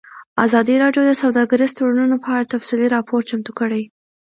ازادي راډیو د سوداګریز تړونونه په اړه تفصیلي راپور چمتو کړی.